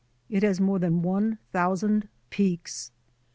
It has more than one thousand peaks.